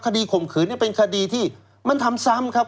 ข่มขืนนี่เป็นคดีที่มันทำซ้ำครับ